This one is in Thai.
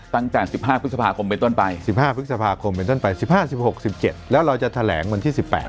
ตั้งแต่๑๕พฤษภาคมไปต้นไป๑๕พฤษภาคมเป็นต้นไป๑๕๑๖๑๗แล้วเราจะแถลงวันที่๑๘